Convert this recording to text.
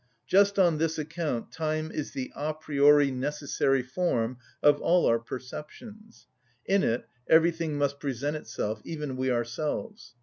Just on this account time is the a priori necessary form of all our perceptions; in it everything must present itself, even we ourselves.